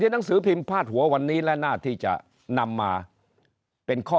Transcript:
หนังสือพิมพ์พาดหัววันนี้และหน้าที่จะนำมาเป็นข้อ